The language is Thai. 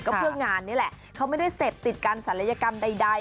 ก็เพื่องานนี่แหละเขาไม่ได้เสพติดการศัลยกรรมใด